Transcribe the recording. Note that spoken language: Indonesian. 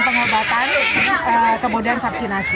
pengobatan kemudian vaksinasi